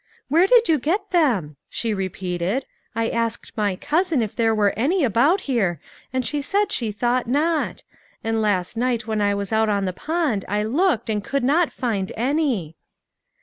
" Where did you get them ?" she repeated ;" I asked my cousin if there were any about here, and she said she thought not ; and last night when I was out on the pond I looked and could not find any."